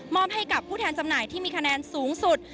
ให้กับผู้แทนจำหน่ายที่มีคะแนนสูงสุด